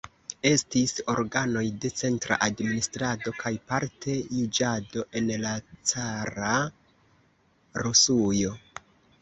Estis organoj de centra administrado kaj parte juĝado en la cara Rusujo.